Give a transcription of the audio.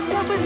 siap ben pak